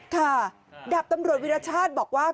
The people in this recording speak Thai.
ค่ะดาบตำรวจวิรชาติบอกว่า